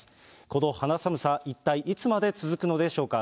この肌寒さ、一体いつまで続くのでしょうか。